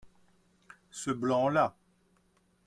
Ce blanc-là.